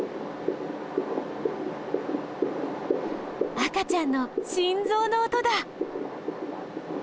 赤ちゃんの心ぞうの音だ！